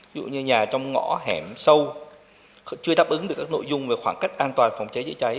ví dụ như nhà trong ngõ hẻm sâu chưa đáp ứng được các nội dung về khoảng cách an toàn phòng cháy chữa cháy